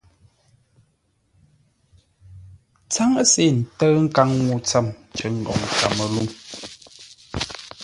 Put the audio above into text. Tsáŋə́se ntə̂ʉ nkaŋ-ŋuu ntsəm cər ngoŋ Káməlûm.